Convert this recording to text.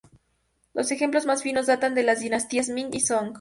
Los ejemplos más finos datan de las dinastías Ming y Song.